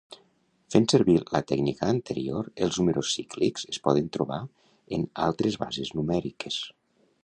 Fent servir la tècnica anterior, els números cíclics es poden trobar en altres bases numèriques.